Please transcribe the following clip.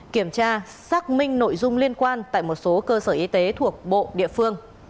kiểm tra xác minh nội dung liên quan tại một số cơ sở y tế thuộc bộ địa phương